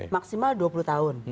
maksimal dua puluh tahun